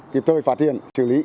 kịp thời phát hiện xử lý